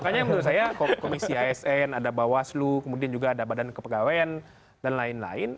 nah makanya menurut saya komisi asn ada bawas lu kemudian juga ada badan kepegawain dan lain lain